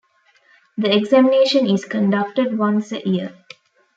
This examination is conducted once a year.